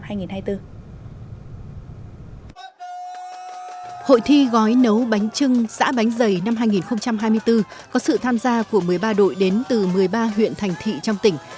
hội thi gói nấu bánh trưng dạ bánh dày năm hai nghìn hai mươi bốn có sự tham gia của một mươi ba đội đến từ một mươi ba huyện thành thị trong tỉnh